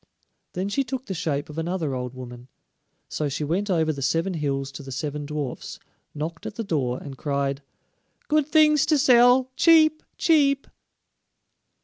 Then she took the shape of another old woman. So she went over the seven hills to the seven dwarfs, knocked at the door, and cried, "Good things to sell, cheap, cheap!"